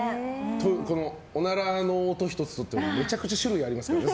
おならの音１つ取ってもめちゃくちゃ種類ありますからね。